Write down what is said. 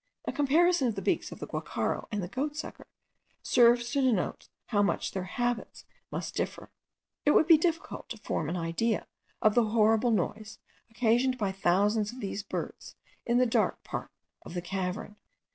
A comparison of the beaks of the guacharo and the goatsucker serves to denote how much their habits must differ. It would be difficult to form an idea of the horrible noise occasioned by thousands of these birds in the dark part of the cavern.